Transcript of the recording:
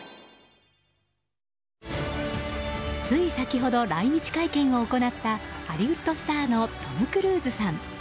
つい先ほど来日会見を行ったハリウッドスターのトム・クルーズさん。